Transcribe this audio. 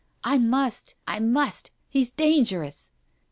"I must. I must. He's dangerous."